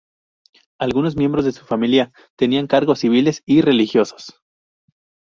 Algunos miembros de su familia tenían cargos civiles y religiosos.